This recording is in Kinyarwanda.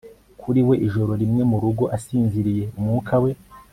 kuri we ijoro rimwe, murugo, asinziriye. umwuka we